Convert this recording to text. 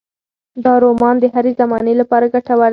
دا رومان د هرې زمانې لپاره ګټور دی.